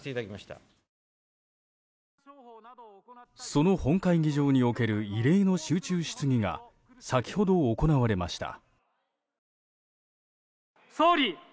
その本会議場における異例の集中審議が先ほど行われました。